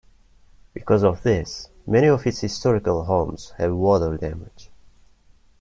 Because of this, many of its historical homes have water damage.